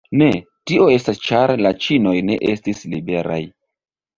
Ne, tio estas ĉar la ĉinoj ne estis liberaj.